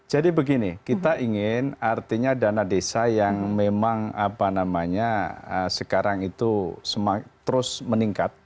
jadi begini kita ingin artinya dana desa yang memang apa namanya sekarang itu terus meningkat